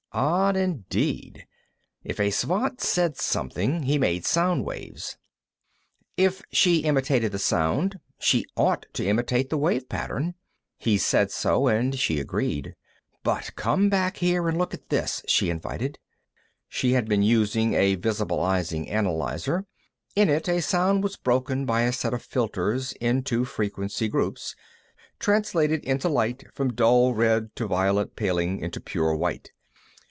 Odd indeed. If a Svant said something, he made sound waves; if she imitated the sound, she ought to imitate the wave pattern. He said so, and she agreed. "But come back here and look at this," she invited. She had been using a visibilizing analyzer; in it, a sound was broken by a set of filters into frequency groups, translated into light from dull red to violet paling into pure white.